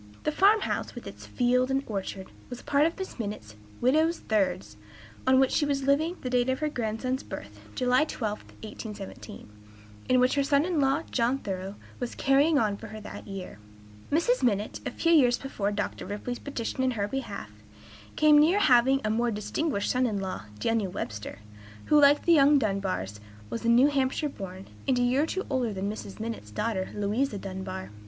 The farm house, with its fields and orchard, was a part of Mrs. Minott's "widow's thirds," on which she was living at the date of her grandson's birth (July 12, 1817), and which her son in law, John Thoreau, was "carrying on" for her that year. Mrs. Minott, a few years before Dr. Ripley's petition in her behalf, came near having a more distinguished son in law, Daniel Webster, who, like the young Dunbars, was New Hampshire born, and a year or two older than Mrs. Minott's daughter, Louisa Dunbar.